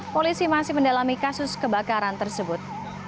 polisi masih mendalami kasus kebakaran tersebut